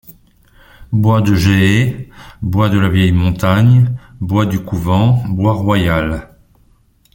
Bois de Jehay, Bois de la Vieille-Montagne, Bois du Couvent, Bois Royal.